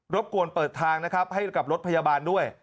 รบกวนเปิดทางให้กับรถพยาบาลด้วย